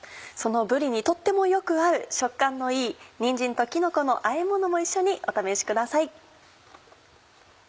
そのぶりにとってもよく合う食感のいい「にんじんときのこのあえもの」も一緒にお試しください。